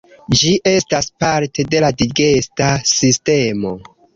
Ĝi estas parte de la digesta sistemo.